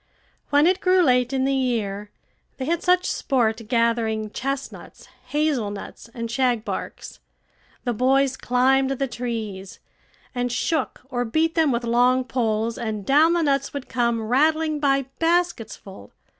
When it grew late in the year, they had such sport gathering chestnuts, hazelnuts, and shagbarks; the boys climbed the trees, and shook or beat them with long poles, and down the nuts would come rattling by baskets full.